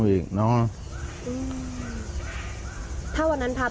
พระเจ้าอาวาสกันหน่อยนะครับ